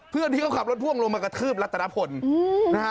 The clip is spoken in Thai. เพื่อนที่เขาขับรถพ่วงลงมากระทืบรัตนพลนะฮะ